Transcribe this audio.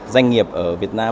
doanh nghiệp ở việt nam